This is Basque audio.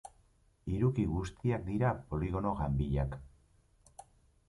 Hiruki guztiak dira poligono ganbilak.